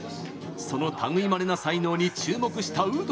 その、たぐいまれな才能に注目した有働。